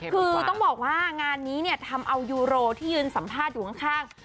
คือต้องบอกว่างานนี้เนี่ยทำเอายูโรที่ยืนสัมภาษณ์อยู่ข้าง